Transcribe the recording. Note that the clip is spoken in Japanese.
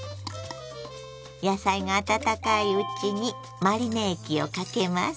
野菜が温かいうちにマリネ液をかけます。